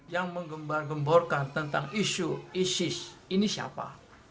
yang menggemborkan tentang isu isis ini siapa